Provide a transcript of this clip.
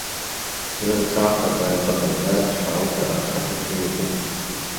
Уи Ерцахә-хаҭа аҵаҟаӡа, Чҳалҭа аԥшаҳәаҿы иҟоуп.